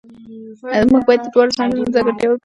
موږ باید د دواړو ژوندونو ځانګړتیاوې وپېژنو.